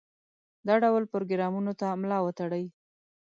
دا ډول پروګرامونو ته ملا وتړي.